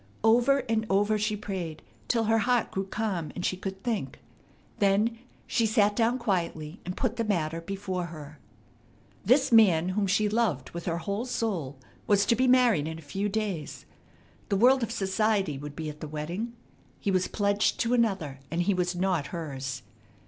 Over and over she prayed till her heart grew calm and she could think. Then she sat down quietly, and put the matter before her. This man whom she loved with her whole soul was to be married in a few days. The world of society would be at the wedding. He was pledged to another, and he was not hers.